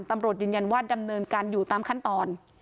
ตำรวจยืนยันว่าดำเนินการอยู่ตามขั้นตอน